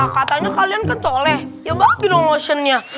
katanya kalian kan soleh ya bagi dong lotionnya